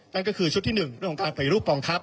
นั่นก็คือชุดที่๑เรื่องของการปฏิรูปกองทัพ